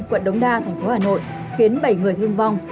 quận đống đa thành phố hà nội khiến bảy người thương vong